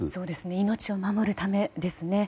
命を守るためですね。